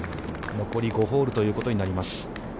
残り５ホールということになります。